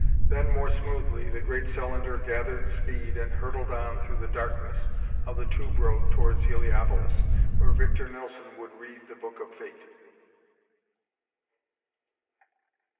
Then, more smoothly, the great cylinder gathered speed and hurtled on through the darkness of the tube road towards Heliopolis, where Victor Nelson would read the book of Fate.